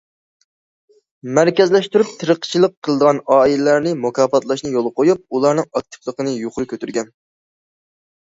مەركەزلەشتۈرۈپ تېرىقچىلىق قىلىدىغان ئائىلىلەرنى مۇكاپاتلاشنى يولغا قويۇپ، ئۇلارنىڭ ئاكتىپلىقىنى يۇقىرى كۆتۈرگەن.